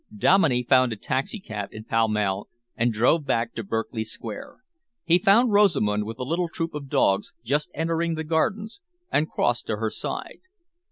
Dominey found a taxicab in Pall Mall and drove back to Berkeley Square. He found Rosamund with a little troop of dogs, just entering the gardens, and crossed to her side.